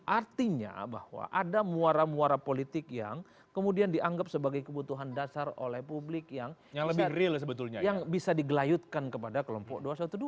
artinya bahwa ada muara muara politik yang kemudian dianggap sebagai kebutuhan dasar oleh publik yang bisa digelayutkan kepada kelompok dua ratus dua belas